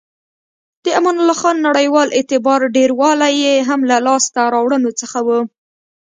د امان الله خان نړیوال اعتبار ډیروالی یې هم له لاسته راوړنو څخه و.